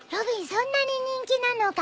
そんなに人気なのか？